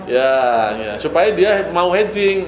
ya supaya dia mau hedging